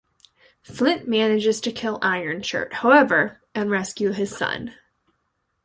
Flint manages to kill Ironshirt, however, and rescue his son.